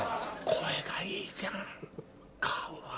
声がいいじゃん。